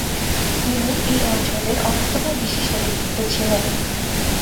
তিনি এই অঞ্চলের অন্যতম বিশিষ্ট ব্যক্তিত্ব ছিলেন।